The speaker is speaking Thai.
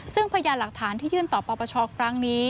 ซึ่งพยานหลักฐานที่ยื่นต่อปปชครั้งนี้